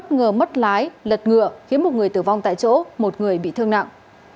bất ngờ mất lái lật ngựa khiến một người tử vong tại chỗ một người bị thương nặng